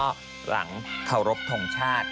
ก็หลังเคารพทงชาติ